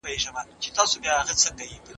ازمایښتي څېړنه په لابراتوار کې ترسره کېږي.